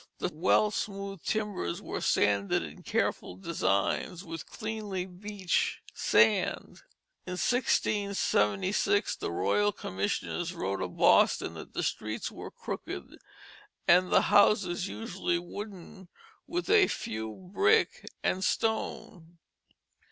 The well smoothed timbers were sanded in careful designs with cleanly beach sand. By 1676 the Royal Commissioners wrote of Boston that the streets were crooked, and the houses usually wooden, with a few of brick and stone.